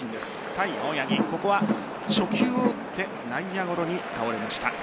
対青柳、ここは初球を打って内野ゴロに倒れました。